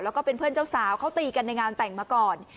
แล้วก็เป็นเพื่อนเจ้าสาวเขาตีกันในงานแต่งมาก่อน